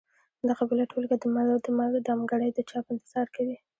دغه بله ټولګه دمګړۍ د چاپ انتظار کوي.